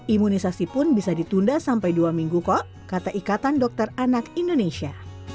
imunisasi pun bisa ditunda sampai dua minggu kok kata ikatan dokter anak indonesia